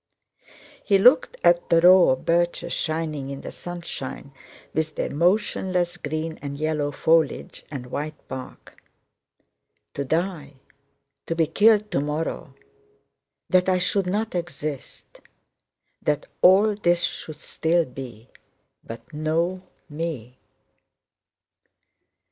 He looked at the row of birches shining in the sunshine, with their motionless green and yellow foliage and white bark. "To die... to be killed tomorrow... That I should not exist... That all this should still be, but no me...."